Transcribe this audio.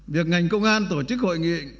việc ngành công an tổ chức hội nghị